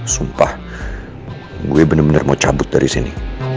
sumpah gue bener bener mau cabut dari sini